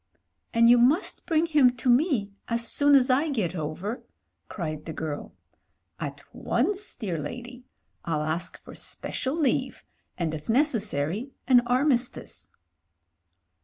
''And you must bring him to me as soon as I get over," cried the girl. "At once, dear lady. FU ask for special leave, and if necessary an armistice."